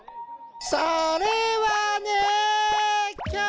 それはね。